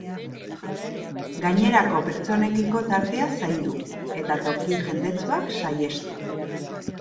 Gainerako pertsonekiko tartea zaindu, eta toki jendetsuak saihestu.